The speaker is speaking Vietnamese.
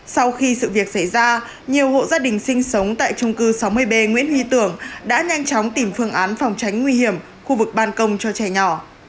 sau khi sự việc xảy ra nhiều hộ gia đình sinh sống tại trung cư sáu mươi b nguyễn huy tưởng đã nhanh chóng tìm phương án phòng tránh nguy hiểm khu vực ban công cho trẻ nhỏ